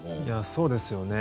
そうですよね。